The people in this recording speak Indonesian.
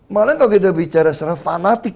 malah kalau kita bicara secara fanatik